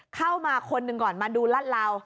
เข้ามาคนหนึ่งก่อนมาดูรัดเหลา